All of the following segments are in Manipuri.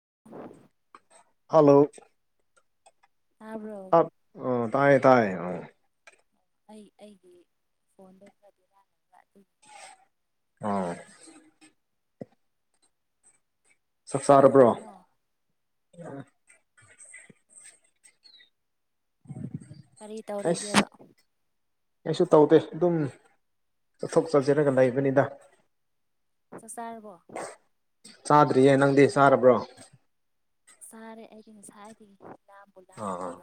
ꯎ ꯍꯜꯂꯣ ꯇꯥꯕ꯭ꯔꯣ ꯑꯣ ꯇꯌꯦ ꯇꯥꯏꯌꯦ ꯑ ꯑꯩ ꯑꯩꯒꯤ ꯐꯣꯟꯗꯣ ꯈꯔꯗꯤꯔꯥꯟꯅꯕ ꯑꯗꯨꯒꯤ ꯑꯣꯣꯏ ꯄꯦꯗꯧꯔꯤꯔꯤꯅꯣ ꯑ ꯀꯔꯤ ꯇꯧꯔꯤꯒꯦꯕ ꯑꯩꯁ ꯀꯩꯁꯨ ꯇꯧꯗꯦ ꯑꯗꯨꯝ ꯆꯠꯊꯣꯛ ꯆꯠꯁꯤꯟꯂꯒ ꯂꯩꯕꯅꯤꯗ ꯆꯥꯛ ꯆꯥꯔꯕꯣ ꯆꯥꯗ꯭ꯔꯤꯌꯦ ꯅꯪꯗꯤ ꯆꯥꯔꯕ꯭ꯔꯣ ꯁꯥꯔꯦ ꯑꯩꯗꯤꯅꯦ ꯁꯥ ꯑꯥ ꯑꯥ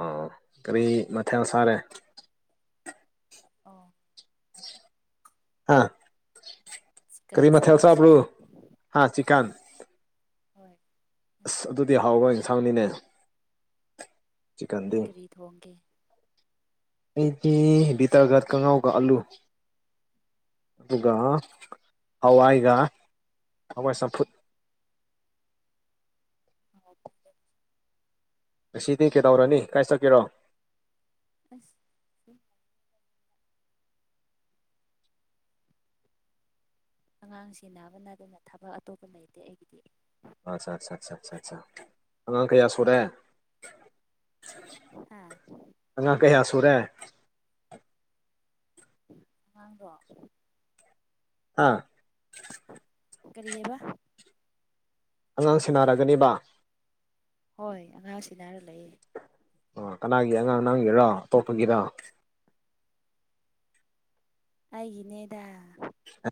ꯑꯥ ꯀꯔꯤ ꯃꯊꯦ ꯁꯥꯔꯦ ꯑꯣ ꯍꯥ ꯆꯤꯀꯟ ꯆꯥꯏ ꯀꯔꯤꯃꯦꯜꯁ ꯍꯥ꯭ꯂ ꯉꯁꯤꯗꯤ ꯍꯥ ꯆꯀꯟ ꯍꯣꯏ ꯑꯁ ꯑꯗꯨꯗꯤ ꯍꯥꯎꯕ ꯑꯦꯟꯁꯥꯡꯅꯤꯅꯦ ꯅꯗꯤ ꯈꯔꯤꯗ ꯍꯣꯡꯒꯦ ꯑꯩꯗꯤ ꯕꯤꯇꯔꯒꯥꯠ ꯀꯉꯥꯎꯒ ꯑꯜꯂꯨ ꯑꯗꯨꯒ ꯍꯋꯥꯏꯒ ꯍꯋꯥꯏ ꯆꯝꯐꯨꯠ ꯑꯣꯝ ꯑꯁꯤꯗꯤ ꯀꯩꯗꯧꯔꯅꯤ ꯀꯥꯏ ꯆꯛꯀꯦꯔꯣ ꯑ ꯑꯉꯥꯡ ꯁꯤꯕ ꯅꯗꯅ ꯊꯕꯛ ꯑꯇꯣꯞꯄ ꯂꯩꯇꯦ ꯑꯩꯒꯤꯗꯤ ꯑꯆꯥ ꯑ ꯑꯉꯥꯡ ꯀꯌꯥ ꯁꯨꯔꯦ ꯑꯥ ꯇꯔꯦ ꯑꯉꯥꯡꯗꯣ ꯑꯥ ꯀꯦꯕ ꯑꯉꯥꯡ ꯁꯦꯟꯅꯔꯒꯅꯤꯕ ꯍꯣꯏ ꯑꯉꯥꯡꯁꯤꯅ ꯍꯥꯏꯔ ꯂꯩꯌꯦ ꯑ ꯀꯅꯥꯒꯤ ꯑꯉꯥꯡ ꯅꯥꯡꯒꯤꯔ ꯑꯇꯣꯞꯄꯒꯤꯔ ꯑꯩ ꯏꯅꯦꯗꯥ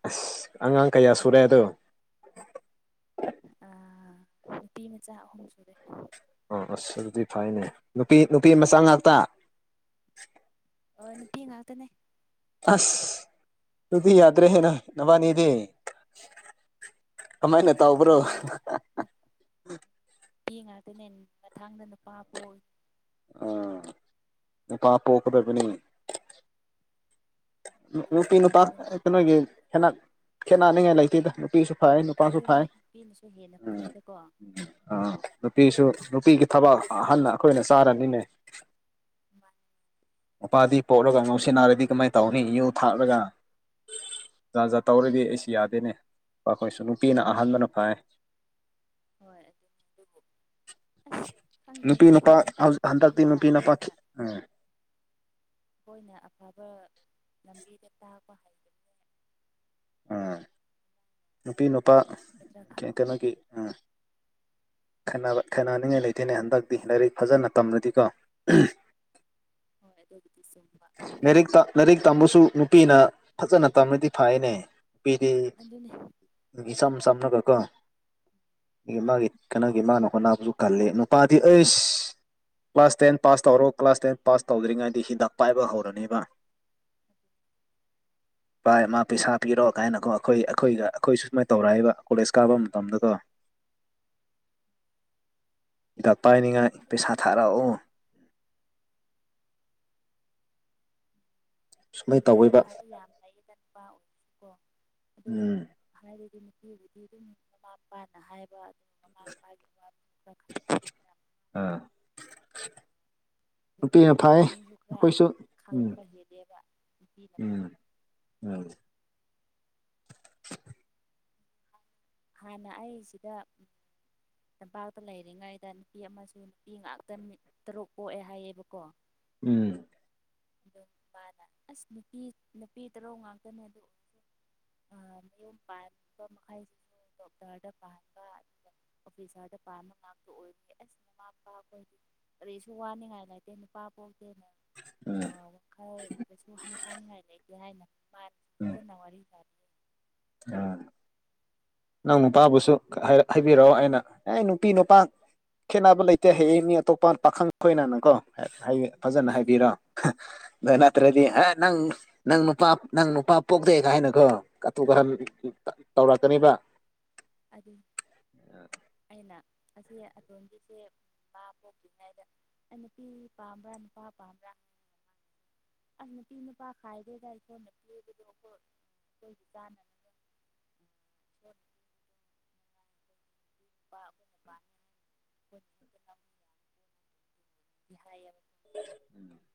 ꯑꯁ ꯑꯉꯥꯡ ꯀꯌꯥ ꯁꯨꯔꯦꯗꯣ ꯑ ꯅꯨꯇꯤ ꯃꯆꯥ ꯑꯍꯨꯝ ꯁꯨꯔꯦ ꯑ ꯑꯁ ꯑꯗꯨꯗꯤ ꯐꯩꯅꯦ ꯅꯨꯄꯤ ꯅꯨꯄꯤ ꯃꯆꯥ ꯉꯥꯛꯇ ꯑꯣ ꯅꯨꯄꯤ ꯉꯥꯛꯇꯅꯦ ꯑꯁ ꯇꯗꯤ ꯑꯒ꯭ꯔꯦꯍꯦ ꯅ ꯅꯚꯅꯤꯗꯤ ꯀꯃꯥꯏ ꯅ ꯇꯥꯎꯕ꯭ꯔꯣ ꯅꯨꯄꯤ ꯉꯥꯛ ꯑꯗꯨꯅꯦ ꯃꯊꯥꯡꯗ ꯅꯨꯄꯥꯕꯨ ꯑꯣꯏ ꯑ ꯄꯥ ꯄꯣꯀꯗꯄꯅꯤ ꯑꯗꯨ ꯅꯨꯄꯤ ꯏꯁꯣꯔꯅ ꯅꯨꯄꯥ ꯀꯩꯅꯣꯒꯤ ꯁꯦꯝꯕꯤꯕꯅꯤꯅ ꯈꯦꯠꯅꯅꯤꯡꯉꯥꯏ ꯂꯩꯇꯦꯗ ꯅꯨꯄꯤꯁꯨ ꯐꯥꯏ ꯅꯨꯄꯥꯁꯨ ꯑꯗꯨꯅꯦ ꯐꯥꯏ ꯅꯨꯄꯤꯅꯁꯨ ꯍꯦꯟꯅ ꯐꯔꯦꯗꯀꯣ ꯅꯨꯄꯤꯁꯨ ꯅꯨꯄꯤꯒꯤ ꯊꯕꯛ ꯑꯍꯟꯅ ꯑꯩꯈꯣꯏꯅ ꯆꯥꯔꯅꯤꯅꯦ [inaudible] [unintelligible] ꯎꯄꯥꯗꯤ ꯄꯣꯛꯂꯒ ꯉꯧꯁꯤ ꯅꯥꯔꯗꯤ ꯀꯃꯥꯏꯅ ꯇꯧꯅꯤ ꯨ ꯊꯥꯛꯂꯒ ꯖꯥꯖꯥꯠ ꯇꯧꯔꯗꯤ ꯑꯩꯁꯨ ꯌꯥꯗꯦꯅꯦ ꯑꯩꯈꯣꯏꯁꯨ ꯅꯨꯄꯤꯅ ꯑꯍꯥꯟꯕꯅ ꯐꯥꯏ ꯍꯣꯏ ꯑꯗꯨꯝ ꯑꯗꯨ ꯅꯨꯄꯤ ꯅꯨꯄꯥ ꯍꯟꯗꯛꯇꯤ ꯏꯃꯥ ꯅꯨꯄꯤ ꯑꯩꯈꯣꯏꯅ ꯅꯨꯄꯥꯈꯤ ꯎ ꯑꯩꯈꯣꯏꯅ ꯑꯐꯕ ꯂꯝꯕꯤꯗ ꯇꯥꯛꯄ ꯍꯩꯕꯁꯦ ꯑ ꯅꯨꯄꯤ ꯅꯨꯄꯥ ꯒꯗ꯭ꯔꯥ ꯈꯪꯗꯦ ꯀꯒꯤ ꯑ ꯈꯦꯅꯅꯤꯡꯉꯥꯏ ꯂꯩꯇꯦꯅꯦ ꯍꯟꯗꯛꯇꯤ ꯂꯥꯏꯔꯤꯛ ꯐꯖꯅ ꯇꯝꯂꯗꯤꯀꯣ ꯍꯣꯏ ꯑꯗꯨ ꯑꯗꯨ ꯂꯥꯏꯔꯤ ꯂꯥꯏꯔꯤꯛ ꯇꯝꯕꯁꯨ ꯅꯨꯄꯤꯅ ꯐꯖꯅ ꯇꯝꯅꯗꯤ ꯐꯩꯅꯦ ꯅꯨꯄꯤꯗꯤ ꯑꯗꯨꯅꯦ ꯏꯁꯆꯝ ꯁꯝꯅꯒꯀꯣ ꯑꯩ ꯃꯥꯒꯤ ꯀꯩꯅꯣꯒꯤ ꯃꯥꯅ ꯍꯣꯅꯥꯕꯨꯁꯨ ꯀꯜꯂꯤ ꯅꯨꯄꯥꯗꯤ ꯑꯩꯁ ꯀ꯭ꯂꯥꯁ ꯇꯦꯟ ꯄꯥꯁ ꯇꯧꯔꯣ ꯀ꯭ꯂꯥꯁ ꯇꯦꯟ ꯄꯥꯁ ꯇꯧꯗ꯭ꯔꯤꯉꯩꯗꯗꯤ ꯍꯤꯗꯥꯛ ꯄꯥꯏꯕ ꯍꯧꯔꯅꯦꯕ ꯚꯥꯏ ꯃꯥ ꯄꯩꯁꯥ ꯄꯤꯔꯣ ꯀꯥꯏꯅꯀꯣ ꯑꯩꯈꯣꯏ ꯑꯩꯈꯣꯏꯒ ꯑꯩꯈꯣꯏꯁꯨ ꯁꯨꯃꯥꯏ ꯇꯧꯔꯛꯏꯕ ꯀꯣꯂꯦꯖ ꯀꯥꯕ ꯃꯇꯝꯗꯀ ꯍꯤꯗꯥꯛ ꯄꯥꯏꯅꯤꯡꯉꯥꯏ ꯑꯗꯨ ꯄꯩꯁꯥ ꯈꯪꯗꯦ ꯊꯥꯔꯛꯑꯣ ꯁꯨꯃꯥꯏꯅ ꯒ꯭ꯌꯥꯟ ꯇꯧꯋꯦꯕ ꯇꯥꯕ ꯌꯥꯝ ꯂꯩꯌꯦ ꯆꯠꯄ ꯑꯣꯏꯔꯁꯨꯀꯣ ꯑꯗꯨꯕꯨ ꯎꯝ ꯍꯥꯏꯕꯗꯤ ꯑꯗꯨꯕꯨꯗꯤ ꯑꯗꯨꯝ ꯃꯃꯥ ꯃꯄꯥꯅ ꯍꯥꯏꯕ ꯥꯏ [unintelligible] [inaudible] ꯑ [unintelligible] [inaudible] ꯄꯨꯛꯅꯤꯡꯁꯨ ꯈꯔ ꯎꯝ ꯈꯪꯕ ꯍꯦꯂꯦꯕ ꯎꯝ ꯑ ꯍꯥꯟꯅ ꯑꯩꯁꯤꯗ ꯇꯝꯄꯥꯛꯇ ꯂꯩꯔꯤꯉꯩꯗ ꯅꯨꯄꯤ ꯑꯃꯁꯨ ꯅꯨꯄꯤ ꯉꯥꯛꯇ ꯇꯔꯨꯛ ꯄꯣꯛꯑꯦ ꯍꯥꯏꯌꯦꯕꯀꯣ ꯎꯝ ꯑꯗꯨꯝ ꯅꯨꯄꯥꯗ ꯑꯁ ꯅꯨꯄꯤ ꯅꯨꯄꯤ ꯇꯔꯨꯛ ꯉꯥꯛꯇꯅꯦ ꯑꯗꯨ ꯎ ꯃꯅꯤꯌꯨꯝ ꯄꯥꯟꯕꯥꯟ ꯃꯈꯩꯁꯤꯁꯨ ꯗꯣꯛꯞꯇꯔꯗ ꯄꯥꯟꯕ ꯑꯣꯐꯤꯁꯥꯔꯗ ꯄꯥꯟꯕ ꯉꯥꯛꯇ ꯑꯣꯏꯅꯤꯁ ꯑꯩꯈꯣꯏ ꯀꯔꯤꯁꯨ ꯋꯥꯅꯤꯡꯉꯥꯏ ꯂꯩꯇꯦ ꯅꯨꯄꯥ ꯄꯣꯛꯦ ꯎꯝ ꯋꯥꯈꯜꯗꯁꯨ ꯍꯟꯊꯥꯅꯤꯡꯉꯥꯏ ꯂꯩꯇꯦ ꯍꯥꯏꯅ ꯃꯥ ꯐꯖꯅ ꯋꯥꯔꯤ ꯁꯥꯔ ꯑꯥ [unintelligible] [inaudible] ꯅꯪ ꯅꯨꯄꯥꯕꯨꯁꯨ ꯍꯥꯏꯕꯤꯔꯛꯑꯣ ꯑꯩꯅ ꯑꯦ ꯅꯨꯄꯤ ꯅꯨꯄꯥ ꯈꯦꯠꯅꯕ ꯂꯩꯇꯦ ꯍꯌꯦ ꯃꯤ ꯑꯇꯣꯞꯄ ꯄꯥꯈꯪ ꯈꯣꯏꯅꯅꯀꯣ ꯐꯖꯅ ꯍꯥꯏꯕꯤꯔꯣ ꯑꯗꯨꯗ ꯅꯠꯇ꯭ꯔꯗꯤ ꯍꯣꯏ ꯑꯦ ꯅꯪ ꯅꯪ ꯅꯨꯄꯥ ꯅꯪ ꯅꯨꯄꯥ ꯄꯣꯛꯇꯦ ꯀꯥꯏꯅꯈꯣꯨ ꯀꯍ ꯇꯧꯔꯛꯀꯅꯦꯕ ꯑꯗꯤ ꯑꯏꯩꯅ ꯑꯁꯤ ꯑꯗꯣꯟꯝꯒꯤꯁꯦ ꯄ ꯄꯣꯛꯇ ꯍꯥꯏꯗ ꯑ ꯅꯨꯄꯤ ꯄꯥꯝꯕ꯭ꯔꯥ ꯅꯨꯄꯥ ꯄꯥꯝꯕ꯭ꯔꯥ ꯑꯁ ꯅꯨꯄꯤꯤꯅ ꯄꯥ ꯈꯥꯏꯗꯗ ꯏꯁꯨꯅꯠꯇꯗ ꯂ ꯣꯏ ꯇꯅ [unintelligible] [inaudible] ꯌꯦ [unintelligible] [inaudible] ꯎꯝ [unintelligible] [inaudible]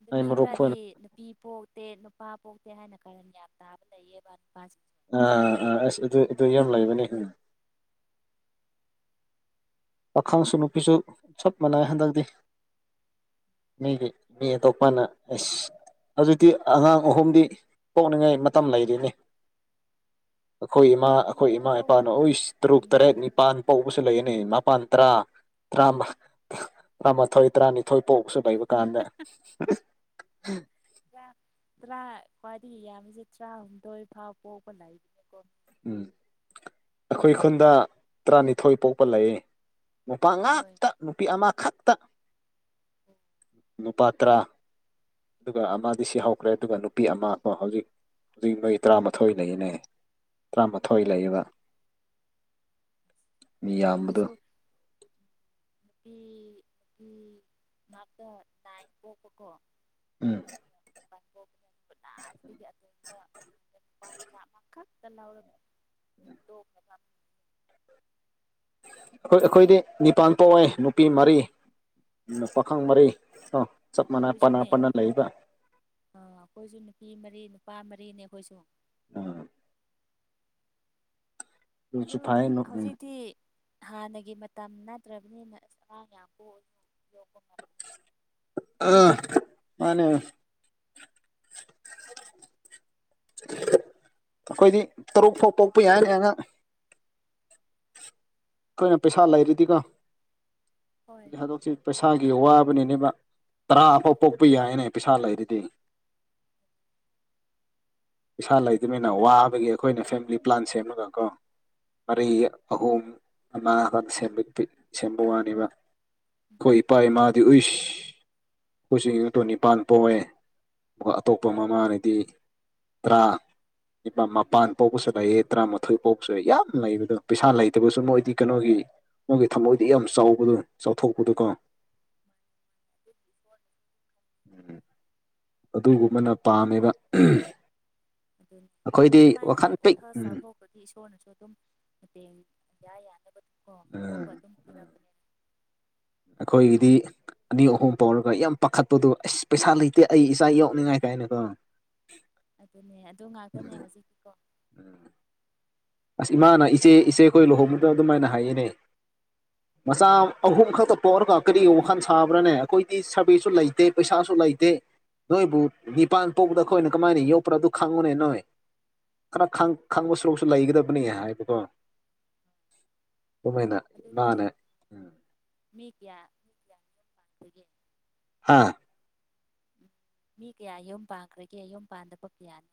ꯑꯗꯨ ꯃꯤ ꯈꯔꯗꯤ ꯅꯨꯄꯤ ꯄꯣꯛ ꯄꯇꯦ ꯅꯨꯄꯥ ꯄꯣꯛꯇꯦ ꯍꯥꯏꯅ ꯀꯟ ꯌꯥꯝ ꯇꯥꯕ ꯂꯩꯌꯦꯕ ꯅꯨꯄꯥꯁꯤ ꯑꯥ ꯑꯥ ꯑꯁ ꯑꯗꯨ ꯑꯗꯨ ꯌꯥꯝ ꯂꯩꯕꯅꯤ ꯄꯥꯈꯥꯡꯁꯨ ꯅꯨꯄꯤꯁꯨ ꯆꯞ ꯃꯥꯟꯅꯩ ꯍꯟꯗꯛꯇꯤ ꯃꯤꯒꯤ ꯃꯤ ꯇꯣꯞꯄꯅ ꯑꯦꯁ ꯍꯧꯖꯤꯛꯇꯤ ꯑꯉꯥꯡ ꯑꯍꯨꯝꯗꯤ ꯄꯣꯛꯅꯤꯡꯉꯥꯏ ꯃꯇꯝ ꯂꯩꯔꯤꯅꯤ [unintelligible] [inaudible] ꯑꯩꯈꯣꯏ ꯏꯃꯥ ꯑꯩꯈꯣꯏ ꯅꯪꯗꯤ ꯏꯃꯥ ꯄꯣꯛ ꯏꯄꯥꯅ ꯑꯣꯏ ꯇꯔꯨꯛ ꯇꯔꯦꯠ ꯎꯝ ꯅꯤꯄꯥꯟ ꯀꯧꯕꯧꯕꯁꯨ ꯂꯩꯒꯅꯤ ꯏ ꯄꯟ ꯇ꯭ꯔꯥ ꯇꯥ ꯇꯔꯥꯃꯊꯣꯏ ꯇꯔꯥꯅꯤ ꯊꯣꯏ ꯄꯣꯛꯕꯁꯨ ꯂꯩꯩꯕ ꯀꯥꯟꯗ ꯇꯔꯥ ꯈ꯭ꯋꯥꯏꯗꯒꯤ ꯌꯥꯝꯃꯤꯁꯦ ꯇꯔꯥꯍꯨꯝꯗꯣꯏ ꯐꯥꯎ ꯄꯣꯛꯄ ꯂꯩꯔꯤꯅꯦꯀꯣ ꯎꯝ ꯑꯩꯈꯣꯏ ꯈꯨꯟꯗ ꯇꯔꯥꯅꯤꯊꯣꯏ ꯄꯣꯛꯄ ꯂꯩ ꯅꯨꯄꯥ ꯍꯣꯏ ꯉꯥꯛꯇ ꯅꯨꯄꯤ ꯑꯃꯈꯛꯇ ꯅꯨꯄꯥ ꯇꯔꯥ ꯑꯗꯨꯒ ꯑꯃꯗꯤ ꯁꯤ ꯍꯧꯈ꯭ꯔꯦ ꯑꯗꯨꯒ ꯅꯨꯄꯤ ꯑꯃꯗꯣ ꯍꯧꯖꯤꯛ ꯍꯧꯖꯤꯛ ꯅꯣꯏ ꯇꯔꯥꯃꯥꯊꯣꯏ ꯂꯩꯅꯦ ꯇꯔꯥꯃꯥꯊꯣꯏ ꯂꯩꯕ ꯍꯣ ꯌꯥꯝꯕꯗꯣ ꯗꯨꯁꯨꯣ ꯅꯨꯄꯤ ꯅꯨꯄꯤ ꯉꯇ ꯇꯥꯏ ꯄꯣꯛꯄꯀꯣ ꯎꯝ ꯎ [unintelligible] [inaudible] ꯅꯥ ꯑꯁꯤ ꯅꯨꯄꯥ ꯃꯆꯥ ꯑꯃꯈꯛꯇ ꯂꯧꯒꯅꯤ [unintelligible] [inaudible] ꯑꯩꯈꯣꯏ ꯑꯩꯈꯣꯏꯗꯤ ꯅꯤꯄꯥꯟ ꯄꯥꯎꯦ ꯅꯨꯄꯤ ꯃꯔꯤ ꯄꯥꯈꯪ ꯃꯔꯤ ꯑꯣ ꯆꯞ ꯃꯥꯟꯅ ꯄꯅꯥ ꯑꯩꯈꯣꯏꯁꯨꯅꯦ ꯄꯅ ꯂꯩꯕ ꯑ ꯑꯩꯈꯣꯏꯁꯨ ꯅꯨꯄꯤ ꯃꯔꯤ ꯄꯥ ꯃꯔꯤꯅꯦ ꯑꯩꯈꯣꯏꯁꯨ ꯎꯝ ꯑꯗꯨꯁꯨ ꯑꯗꯨ ꯐꯩ ꯍꯧꯖꯤꯛꯇꯤ ꯍꯥꯟꯅꯒꯤ ꯃꯇꯝ ꯅꯠꯇ꯭ꯔꯕꯅꯤꯅ ꯁꯥꯔ ꯌꯥꯝꯌ ꯌꯣꯛꯄ ꯑ ꯃꯥꯅꯦ ꯑꯩꯈꯣꯏꯗꯤ ꯇꯔꯨꯛ ꯐꯥꯎ ꯄꯣꯛꯄ ꯌꯥꯏꯅꯤ ꯑꯉꯥꯡ ꯑꯩꯈꯣꯏꯅ ꯄꯩꯁꯥ ꯂꯩꯔꯤꯗꯤꯀꯣ ꯍꯣꯏ ꯑꯗꯨ ꯍꯥꯏꯗꯣꯛꯁꯤꯩꯁ ꯊꯥꯒꯤ ꯋꯥꯕꯅꯤꯅꯦꯕ ꯇꯔꯥ ꯑꯗꯨ ꯑꯐꯥꯎ ꯄꯣꯛꯄ ꯌꯥꯏꯅꯦꯕ ꯄꯩꯁꯥ ꯂꯩꯔꯤꯗꯤ [unintelligible] ꯄꯩꯥ ꯂꯩꯗꯃꯤꯅ ꯋꯥꯕꯒꯤ ꯑꯩꯈꯣꯏꯅ ꯐꯦꯃꯤꯂꯤ ꯄ꯭ꯂꯥꯟ ꯁꯦꯝꯃꯒ ꯀꯣ ꯑꯔꯤ ꯑꯍꯣꯝꯅꯥꯥꯟꯄꯤ ꯆꯄ ꯋꯥꯅꯤꯕ ꯑꯩꯈꯣꯏ ꯏꯄꯥ ꯏꯃꯥꯗꯤ ꯎꯏꯁ ꯀꯈꯣꯏꯁꯤꯡ ꯇꯨꯟ ꯅꯤꯄꯥꯥꯟ ꯄꯣꯛꯑꯦ ꯑꯗꯨꯒ ꯑꯇꯣꯞꯄ ꯃꯃꯥꯅꯗꯤ ꯇꯔꯥ ꯄꯥ ꯃꯄꯥꯟ ꯄꯣꯛꯄꯁꯨ ꯂꯩꯑ ꯇꯔꯥꯃꯥꯊꯣꯏ ꯄꯣꯛꯄꯁꯨ ꯌꯥ ꯌꯥꯝ ꯂꯩꯕꯗꯣ ꯄꯩꯁꯥ ꯂꯩꯇꯕꯁꯨ ꯃꯣꯏꯗꯤ ꯀꯩꯅꯣꯒꯤ ꯃꯣꯏꯒꯤ ꯊꯃꯣꯏꯗꯤ ꯌꯥꯝ ꯆꯥꯎꯕꯗꯣ ꯆꯥꯎꯊꯣꯛꯄꯗꯨꯣꯀꯣ ꯑꯗꯨ ꯎꯝ ꯑꯗꯨꯒꯨꯝꯕꯅ ꯄꯥꯝꯃꯤꯕ ꯑꯗꯨꯅꯤ ꯑꯗꯨꯃꯥꯏꯅ ꯍꯁ ꯎꯝ ꯆꯥꯎꯊꯣꯛꯄ꯭ꯔꯗꯤ ꯏꯁꯣꯔꯅꯁꯨ ꯑꯗꯨꯝ ꯃꯇꯦꯡ ꯌꯥꯏ ꯌꯥꯅꯕꯣꯄ ꯎꯝ ꯑꯗꯨꯝ ꯄꯤꯔꯛꯄꯅꯤꯅ ꯑꯩꯈꯣꯏꯒꯤꯗꯤ ꯑꯅꯤ ꯑꯍꯨꯝ ꯐꯥꯎꯔꯒ ꯌꯥꯝ ꯄꯥꯈꯠꯄꯗꯣ ꯑꯁ ꯄꯩꯁꯥ ꯂꯩꯇꯦ ꯑꯩ ꯏꯆꯥ ꯌꯥꯎꯅꯤꯡꯉꯥꯏ ꯀꯥꯏꯅꯀꯣ ꯑꯗꯨꯅꯦ ꯑꯗꯨ ꯉꯥꯛꯇꯅꯦ ꯍꯧꯖꯤꯛꯀꯤꯀꯣ ꯑꯁ ꯏꯃꯥꯅ ꯏꯆꯦ ꯏꯆꯦ ꯑꯩꯈꯣꯏ ꯂꯨꯍꯣꯡꯕꯗ ꯑꯗꯨꯃꯥꯏꯅ ꯍꯥꯏꯌꯦꯅꯦ ꯃꯆꯥ ꯑꯍꯨꯝ ꯈꯛꯇ ꯄꯣꯛꯔꯒ ꯀꯔꯤꯒ ꯋꯥꯈꯜ ꯁꯥꯕ꯭ꯔꯥꯅꯦ ꯑꯩꯈꯣꯏꯗꯤ ꯁꯥꯔꯚꯤꯁꯁꯨ ꯂꯩꯇꯦ ꯄꯩꯁꯥꯁꯨ ꯂꯩꯇꯦ ꯅꯣꯏꯕꯨ ꯅꯤꯄꯥꯟ ꯄꯣꯛꯕꯗ ꯑꯩꯈꯣꯏꯅ ꯀꯃꯥꯏꯅ ꯌꯣꯛꯄ꯭ꯔꯥ ꯑꯗꯨ ꯈꯪꯉꯨꯅꯦ ꯅꯣꯏ ꯈꯔ ꯈꯪꯕ ꯁꯔꯨꯁꯨ ꯂꯩꯒꯗꯕꯅꯤ ꯍꯥꯏꯕꯗꯣ ꯎꯃꯦꯅ ꯑꯗꯨ ꯅꯣꯏ ꯅꯅꯦꯦ ꯎꯝ ꯌꯥꯦ ꯄꯠꯇꯒꯦ ꯍꯥꯥ ꯎꯝ ꯃꯤ ꯀꯌꯥ ꯌꯨꯝ ꯄꯥꯟꯈ꯭ꯔꯒꯦ ꯌꯨꯝꯝ ꯄꯥꯟꯗꯕ ꯀꯌꯥꯅꯤ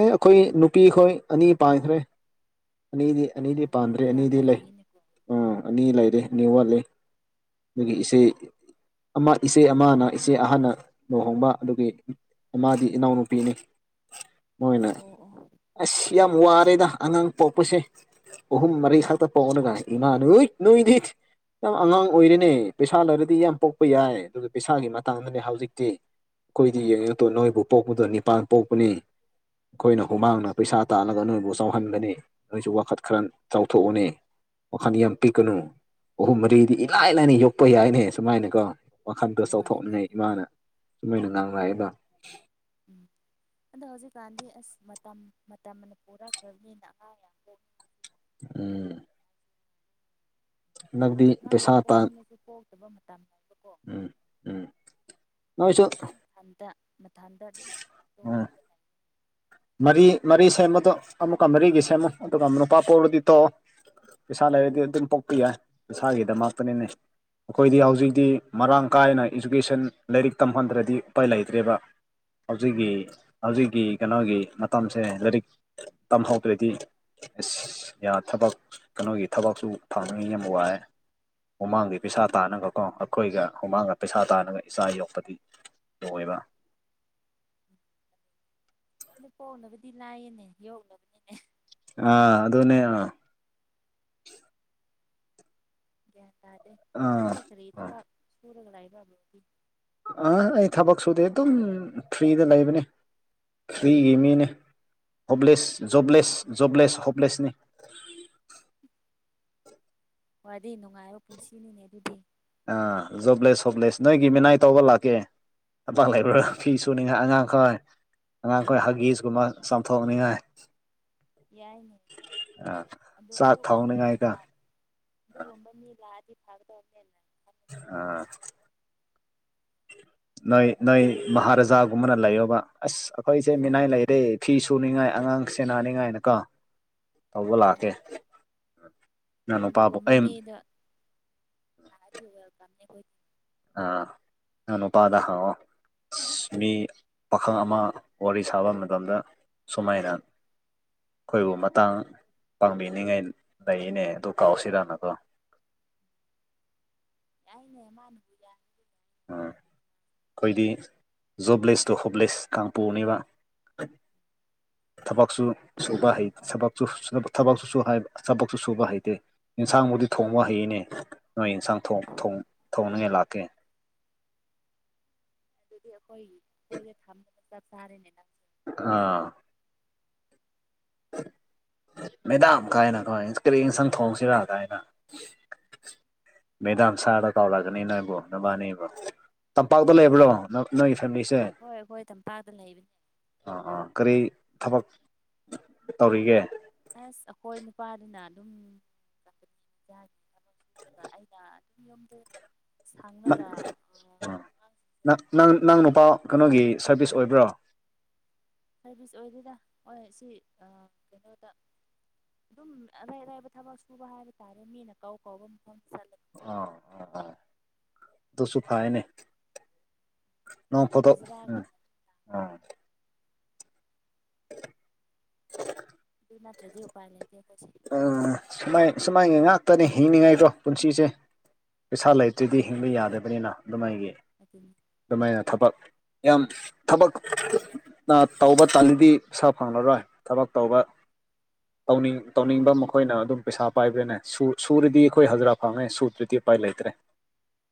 ꯑꯦ ꯑꯩꯈꯣꯏ ꯅꯨꯄꯤꯈꯣꯏ ꯑꯅꯤ ꯄꯥꯟꯈ꯭ꯔꯦ ꯑꯅꯤꯗꯤ ꯑꯅꯤꯗꯤ ꯑꯣ ꯄꯥꯟꯗ꯭ꯔꯦ ꯑꯗꯨꯗꯤ ꯌꯥꯝ ꯑꯅꯤꯗꯤ ꯂꯩ ꯂꯩꯔꯤꯅꯦꯀꯣ ꯑ ꯑꯅꯤ ꯂꯩꯔꯦ ꯅꯤ ꯋꯥꯠꯂꯤ ꯏꯁꯩꯦ ꯑꯃ ꯏꯆꯦ ꯑꯃꯅ ꯏꯆꯦ ꯑꯍꯅ ꯂꯨꯍꯣꯡꯕ ꯑꯗꯨꯒꯤ ꯃꯥꯗꯤ ꯏꯅꯥꯎꯅꯨꯄꯤꯅꯤ [unintelligible] ꯃꯣꯏꯅ ꯑꯣ ꯑꯣ ꯑꯁ ꯌꯥꯝ ꯋꯥꯔꯦꯗ ꯑꯉꯥꯡ ꯄꯣꯛꯄꯁꯦ ꯑꯣꯍꯨꯝ ꯃꯔꯤ ꯈꯇ ꯄꯉꯅ ꯀꯥꯏ ꯏ ꯅꯨꯣꯏ ꯅꯨꯣꯏ ꯌꯥꯝ ꯑꯉꯥꯡ ꯑꯣꯏꯔꯤꯅꯦ ꯄꯩꯁꯥ ꯂꯩꯔꯗꯤ ꯌꯥꯝ ꯄꯣꯛꯄ ꯌꯥꯏ ꯑꯗꯨꯒ ꯄꯩꯁꯥꯒꯤ ꯃꯇꯥꯡꯗꯅꯦ ꯍꯧꯖꯤꯛꯇꯤ ꯑꯩꯈꯣꯏꯗꯤ ꯌꯦꯡꯉꯛꯇꯣ ꯅꯣꯏꯕꯨ ꯄꯣꯛꯄꯗ ꯅꯤꯄꯥꯟ ꯄꯣꯛꯄꯅꯤ ꯑꯩꯈꯣꯏꯅ ꯍꯨꯃꯥꯡꯅ ꯄꯩꯁꯥ ꯇꯥꯜꯂꯒ ꯅꯣꯏꯕꯨ ꯆꯥꯎꯍꯟꯒꯅꯤ ꯑꯩꯁꯨ ꯋꯥꯈꯠ ꯈꯔ ꯆꯥꯎꯊꯣꯛꯑꯣꯅꯦ ꯋꯥꯈꯜꯗꯤ ꯌꯥꯝ ꯄꯤꯛꯀꯅꯨ ꯑꯍꯨꯝ ꯃꯔꯤꯗꯤ ꯏꯂꯥꯏ ꯂꯥꯏꯅ ꯌꯣꯛꯄ ꯌꯥꯏꯅꯦ ꯁꯨꯃꯥꯏꯅꯀꯣ ꯋꯥꯈꯟꯗꯣ ꯍꯣꯏ ꯑꯗꯨ ꯆꯥꯎꯊꯣꯛꯑꯅꯦꯩ ꯏꯃꯥꯅ ꯁꯨꯃꯥꯏꯅ ꯉꯥꯡꯉꯑꯗꯣ ꯎꯝ [unintelligible] ꯑꯗꯣ ꯍꯧꯖꯤꯛꯀꯥꯟꯗꯤ ꯑꯁ ꯃꯇꯝ ꯃꯇꯝꯅ ꯄꯨꯔꯛꯈ꯭ꯔꯅꯤꯅ ꯑꯍꯥ ꯎꯝ ꯍꯟꯗꯛꯇꯤ ꯑꯉꯥꯡ ꯄꯩꯁꯥ ꯌꯥꯝ ꯇꯥꯟ ꯄꯣꯛꯅꯤꯡꯉꯁꯨ ꯄꯣꯛꯇꯕ ꯃꯇꯝꯅꯦꯕꯀꯣ ꯎꯝ ꯎꯝ ꯅꯣꯏꯁꯨ ꯊꯟꯇꯥ ꯃꯊꯟꯗ ꯑꯗꯨꯝ ꯎꯝ ꯇꯣꯛꯈꯤꯕꯅꯦ ꯃꯔꯤ ꯃꯔꯤ ꯁꯦꯝꯕꯗꯣ ꯑꯃꯨꯛꯀ ꯃꯔꯤꯒꯤ ꯁꯦꯝꯃꯨ ꯑꯗꯨꯒ ꯑꯃꯨꯛ ꯅꯨꯨꯄꯥ ꯄꯣꯛꯂꯗꯤ ꯇꯣꯛꯑꯣ ꯄꯩꯁꯥ ꯂꯩꯔꯗꯤ ꯑꯗꯨꯝ ꯄꯣꯛꯄ ꯌꯥꯏ ꯄꯩꯁꯥꯒꯤꯗꯃꯛꯇꯅꯤꯅꯦ ꯑꯩꯈꯣꯏꯗꯤ ꯍꯧꯖꯤꯛꯇꯤ ꯃꯔꯥꯡ ꯀꯥꯏꯅ ꯏꯖꯨꯀꯦꯁꯟ ꯂꯥꯏꯔꯤꯛ ꯇꯝꯍꯟꯗ꯭ꯔꯗꯤ ꯎꯄꯥꯏ ꯂꯩꯇ꯭ꯔꯦꯕ ꯍꯥꯏꯗꯤ ꯍꯧꯖꯤꯛꯀꯤ ꯍꯧꯖꯤꯛꯀꯤ ꯀꯩꯅꯣꯒꯤ ꯃꯇꯝꯁꯦ ꯂꯥꯏꯔꯤꯛ ꯇꯝꯍꯧꯗ꯭ꯔꯗꯤ ꯑꯁ ꯌꯥ ꯊꯕꯛ ꯀꯩꯅꯣꯒꯤ ꯊꯕꯛꯁꯨ ꯐꯪꯉꯤ ꯌꯥꯝ ꯋꯥꯏꯑꯦ ꯃꯃꯥꯡꯒꯤ ꯄꯩꯁꯥ ꯇꯥꯅꯒꯀꯣ ꯑꯩꯈꯣꯏꯒ ꯍꯨꯃꯥꯡꯒ ꯄꯩꯁꯥ ꯇꯥꯅꯒ ꯏꯆꯥ ꯌꯣꯛꯄꯗꯤ ꯂꯣꯏꯕ [inaudible] ꯄꯣꯛꯅꯕꯗꯤ ꯂꯥꯛꯏꯌꯦꯅꯦ ꯌꯣꯛꯅꯕꯅꯤꯅꯦ ꯑꯥ ꯑꯗꯨꯅꯦ ꯑꯥ ꯒ꯭ꯌꯥꯟ ꯇꯥꯗꯦ ꯑꯥ ꯅꯪꯒꯤ ꯀꯔꯤ ꯊꯕꯛ ꯁꯨꯔꯒ ꯂꯩꯕꯔꯣ ꯑ ꯑꯩ ꯊꯕꯛ ꯁꯨꯗꯦ ꯑꯗꯨꯝ ꯐ꯭ꯔꯤꯗ ꯂꯩꯕꯅꯦ ꯐꯔꯤꯒꯤ ꯃꯤꯅꯦ ꯍꯣꯞꯂꯦꯁ ꯖꯣꯕꯂꯦꯁ ꯖꯣꯕꯂꯦꯁ ꯍꯣꯞꯂꯦꯁꯅꯤ [inaudible] ꯈꯋ꯭ꯥꯏꯗꯒꯤ ꯅꯨꯡꯉꯥꯏꯕ ꯄꯨꯟꯁꯤꯅꯤꯅꯦ ꯑꯗꯨꯗꯤ ꯍꯤꯞꯂꯦꯁ ꯅꯣꯏꯒꯤ ꯃꯤꯅꯥꯏ ꯇꯧꯕ ꯂꯥꯛꯀꯦ ꯊꯕꯛ ꯂꯩꯕ꯭ꯔꯥ ꯑꯁ ꯐꯤ ꯁꯨꯅꯤꯉꯥꯏ ꯑꯉꯥꯡ ꯑꯩꯈꯣꯏ ꯑꯉꯥꯡꯈꯣꯏ ꯍꯒꯤꯁ ꯀꯨꯝꯕ ꯆꯥꯝꯊꯣꯛꯅꯤꯡꯉꯥꯏ ꯌꯥꯏꯅꯦ ꯑꯥ ꯑꯗꯨ ꯆꯥꯛ ꯑꯗꯨꯒꯨꯝꯕ ꯃꯤ ꯊꯣꯡꯅꯤꯡꯉꯥꯏꯒ ꯂ ꯑꯗꯨꯒꯨꯝꯕ ꯃꯤ ꯂꯥꯛꯑꯗꯤ ꯐꯒꯗꯧꯅꯦꯅ ꯑꯥ ꯅꯣꯏ ꯅꯣꯏ ꯃꯍꯥꯔꯥꯖꯥꯒꯨꯝꯕꯅ ꯂꯩꯌꯣꯕ ꯑꯁ ꯑꯩꯈꯣꯏꯁꯦ ꯃꯤꯅꯥꯏ ꯂꯩꯔꯦ ꯐꯤ ꯁꯨꯅꯤꯡꯉꯥꯏ ꯑꯉꯥꯡ ꯁꯦꯟꯅꯅꯤꯡꯉꯥꯏꯅꯀꯣ ꯇꯧꯕ ꯍꯣꯏ ꯂꯥꯛꯀꯦ ꯌꯥꯏ ꯌꯥꯏ ꯅꯪ ꯅꯨꯄꯥꯕꯨ ꯑꯗꯨꯒꯨꯝꯕ ꯑꯩ ꯃꯤꯗꯣ [unintelligible] ꯑ ꯅꯪ ꯅꯨꯄꯥꯗ ꯍꯪꯉꯣ ꯑꯁ ꯃꯤ ꯄꯥꯈꯪ ꯑꯃ ꯋꯥꯔꯤ ꯁꯥꯕ ꯃꯇꯝꯗ ꯁꯨꯃꯥꯏꯅ ꯑꯩꯈꯣꯏꯕꯨ ꯃꯇꯥꯡ ꯄꯥꯡꯕꯤꯅꯤꯡꯉꯥꯏ ꯂꯩꯔꯤꯅꯦ ꯑꯗꯨ ꯀꯥꯎꯁꯤꯔꯅꯀꯣ ꯌꯥꯏꯅꯦ ꯃꯥꯅꯥꯕꯨ ꯌꯥꯔꯗ ꯎꯝ [unintelligible] ꯑꯩꯈꯣꯏꯗꯤ ꯖꯣꯕꯂꯦꯁꯇꯣ ꯍꯣꯞꯂꯦꯁ ꯀꯥꯡꯄꯨꯅꯦꯕ [inaudible] ꯊꯕꯛꯁꯨ ꯈꯨꯟ ꯁꯨꯕ ꯍꯩ ꯑꯣ ꯊꯕꯛꯁꯨ ꯊꯕꯛꯁꯨ ꯊꯕꯛꯁꯨ ꯁꯨꯕ ꯍꯩꯇꯦ ꯌꯦꯟꯁꯥꯡꯕꯨꯗꯤ ꯊꯣꯡꯕ ꯍꯩꯅꯦ ꯅꯣꯏ ꯌꯦꯟꯁꯥꯡ ꯊꯣꯡ ꯊꯣꯡꯅꯤꯉꯥꯏ ꯂꯥꯛꯀꯦ ꯑꯗꯨꯗꯤ ꯑꯩꯈꯣꯏꯒꯤ ꯑꯩꯈꯣꯏꯗ ꯊꯝꯃꯒ ꯆꯥꯛ ꯆꯥꯔꯦꯅꯦ ꯉꯪꯁꯨ ꯑꯥ [unintelligible] ꯃꯦꯗꯥꯝ ꯀꯥꯏꯅ ꯀꯃꯥꯏ ꯀꯔꯤ ꯌꯦꯟꯁꯥꯡ ꯊꯣꯡꯁꯤꯔꯥ ꯀꯥꯏꯅ ꯃꯦꯗꯥꯝ ꯁꯥꯔꯗ ꯀꯧꯔꯛꯒꯅꯤ ꯅꯣꯏꯕꯨꯣ ꯅꯕꯥꯅꯤꯕꯨꯣ ꯇꯝꯄꯥꯛꯇ ꯂꯩꯕ꯭ꯔꯣ ꯅꯣꯏ ꯅꯣꯏꯁꯦ ꯍꯣꯏ ꯑꯩꯈꯣꯏ ꯇꯝꯄꯥꯛꯇ ꯂꯩꯕꯅꯦ ꯑꯥ ꯑꯥ ꯀꯔꯤ ꯊꯕꯛ ꯇꯧꯔꯤꯒꯦ ꯑꯁ ꯑꯩꯈꯣꯏ ꯅꯨꯄꯥꯗꯨꯅ ꯑꯗꯨꯝ ꯕꯗ ꯑꯩꯅ ꯑꯗꯨꯝ ꯌꯨꯝꯗ ꯁꯪꯂꯒ ꯑꯉꯥꯡꯁꯤꯡꯁꯦ ꯅꯪ ꯂꯥꯡꯂꯒ ꯅꯪ ꯅꯨꯄꯥ ꯀꯩꯅꯣꯒꯤ ꯁꯔꯕꯤꯁ ꯑꯣꯏꯕ꯭ꯔꯣ ꯁꯥꯔꯚꯤꯁ ꯑꯣꯏꯗꯦꯗ ꯍꯣꯏ ꯁꯤ ꯑ ꯀꯩꯅꯣꯗ ꯑꯗꯨꯝ ꯑꯔꯩ ꯑꯔꯩꯕ ꯊꯕꯛ ꯁꯨꯕ ꯍꯥꯏꯕ ꯇꯥꯔꯦ ꯃꯤꯅ ꯀꯧ ꯀꯧꯕ ꯃꯐꯝ ꯆꯠꯂꯒꯀꯣ ꯑ ꯑ ꯑꯗꯨꯁꯨ ꯐꯥꯏꯅꯦ ꯅꯣꯡ ꯐꯣꯇꯣꯛ ꯎꯝ ꯍꯖꯤꯔꯥꯒꯨꯝꯕ ꯎ ꯑꯗꯨ ꯃꯥ꯭ꯔꯗꯤ ꯎꯄꯥꯏ ꯂꯩ ꯎ ꯁꯨꯃꯥꯏ ꯑꯁꯨꯃꯥꯏ ꯉꯥꯛꯇꯅꯤ ꯍꯤꯡꯂꯤꯉꯥꯏꯗꯣ ꯄꯨꯟꯁꯤꯁꯦ ꯄꯩꯁꯥ ꯂꯩꯇ꯭ꯔꯤꯗꯤ ꯍꯤꯡꯕ ꯌꯥꯗꯕꯅꯤꯅ ꯑꯗꯨꯃꯥꯏꯒꯤ ꯑꯗꯨꯅꯤ ꯑꯗꯨꯃꯥꯏꯅ ꯊꯕꯛ ꯌꯥꯝ ꯊꯕꯛ ꯇꯧꯕ ꯇꯥꯜꯂꯤꯗꯤ ꯄꯩꯁꯥ ꯐꯪꯂꯪꯂꯔꯣꯏ ꯍꯣꯏ ꯊꯕꯛ ꯇꯧꯕ ꯇꯧꯅꯤꯡ ꯇꯧꯅꯤꯡꯕ ꯃꯈꯣꯏꯅ ꯑꯗꯨꯝ ꯄꯩꯁꯥ ꯄꯥꯏꯕꯗꯨꯅꯦ ꯁꯨꯔꯗꯤ ꯑꯩꯈꯣꯏ ꯍꯖꯤꯔꯥ ꯐꯪꯉꯦ ꯁꯨꯗ꯭ꯔꯗꯤ ꯎꯄꯥꯏ ꯂꯩꯇ꯭ꯔꯦ [inaudible]